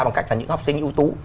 bằng cách là những học sinh ưu tú